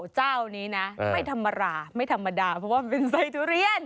เจ้านี้นะไม่ธรรมดาเพราะว่ามันเป็นไซส์ทุเรียน